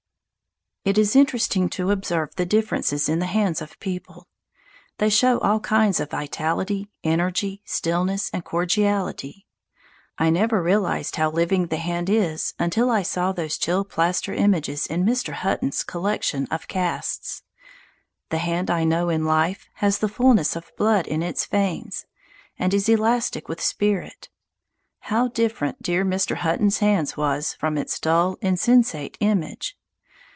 It is interesting to observe the differences in the hands of people. They show all kinds of vitality, energy, stillness, and cordiality. I never realized how living the hand is until I saw those chill plaster images in Mr. Hutton's collection of casts. The hand I know in life has the fullness of blood in its veins, and is elastic with spirit. How different dear Mr. Hutton's hand was from its dull, insensate image!